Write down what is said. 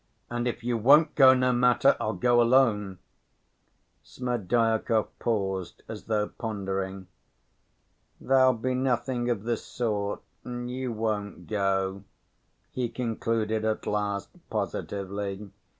"And if you won't go, no matter, I'll go alone." Smerdyakov paused as though pondering. "There'll be nothing of the sort, and you won't go," he concluded at last positively.